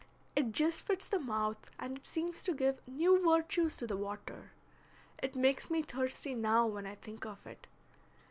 It just fits the mouth and it seems to give new virtues to the water. It makes me thirsty now when I think of it.